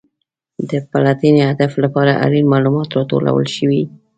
د پلټنې هدف لپاره اړین معلومات راټول شوي.